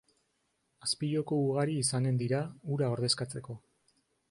Azpijoko ugari izanen dira hura ordezkatzeko.